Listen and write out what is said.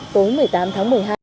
tối một mươi tám tháng một mươi hai